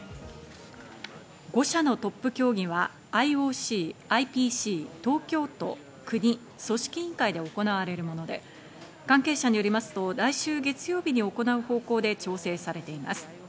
５者のトップ協議はＩＯＣ、ＩＰＣ、東京都、国、組織委員会で行われるもので、関係者によりますと、来週月曜日に行う方向で調整されています。